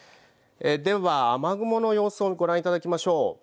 では雨雲の様子をご覧いただきましょう。